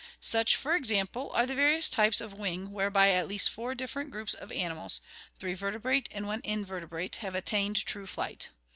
Such, for example, are the various types of wing whereby at least four different groups of animals, three vertebrate and one invertebrate, have attained true flight.